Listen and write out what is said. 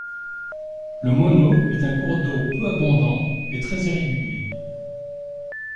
Le Mono est un cours d'eau peu abondant et très irrégulier.